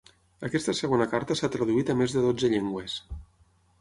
Aquesta segona carta s'ha traduït a més de dotze llengües.